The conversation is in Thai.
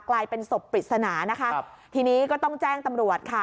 กลายเป็นศพปริศนานะคะครับทีนี้ก็ต้องแจ้งตำรวจค่ะ